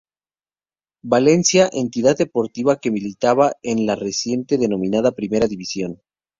Valencia, entidad deportiva que militaba en la recientemente denominada Primera División.